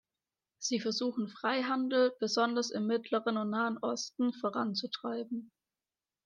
Sie versuchen Freihandel besonders im Mittleren und Nahen Osten voranzutreiben.